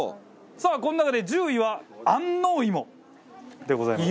さあこの中で１０位は安納芋でございます。